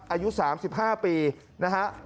อายุ๓๕ปีนะฮะ